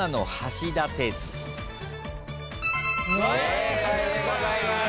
正解でございます。